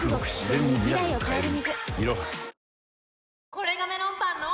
これがメロンパンの！